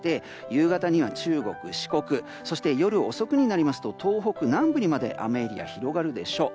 夕方には中国・四国夜遅くになりますと東北南部にまで雨エリア広がるでしょう。